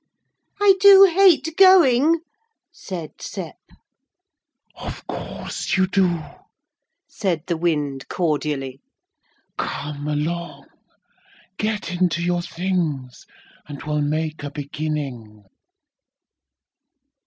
'I do hate going,' said Sep. 'Of course you do!' said the wind, cordially. 'Come along. Get into your things, and we'll make a beginning.'